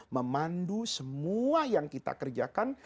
memandu semua yang kita kerjakan